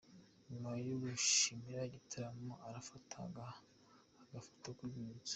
Nyuma yo kwishimira igitaramo, arafata agafoto k'urwibutso.